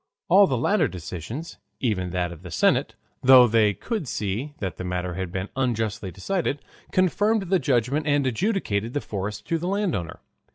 All the later decisions, even that of the senate, though they could see that the matter had been unjustly decided, confirmed the judgment and adjudged the forest to the landowner.